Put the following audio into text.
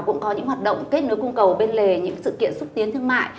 cũng có những hoạt động kết nối cung cầu bên lề những sự kiện xúc tiến thương mại